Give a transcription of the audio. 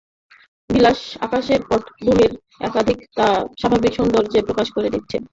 বিশাল আকাশের পটভূমিতে একাকিত্ব তার স্বাভাবিক সৌন্দর্যকে যেন প্রকাশ হতে দিচ্ছে না।